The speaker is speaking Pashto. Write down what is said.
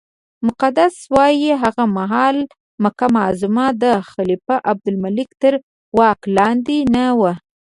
مقدسي وایي هغه مهال مکه معظمه د خلیفه عبدالملک تر واک لاندې نه وه.